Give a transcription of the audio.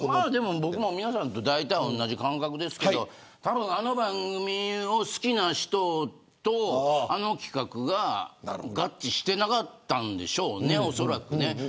皆さんとだいたい同じ感覚ですけれどたぶん、あの番組を好きな人とあの企画が合致していなかったんでしょうねおそらくね。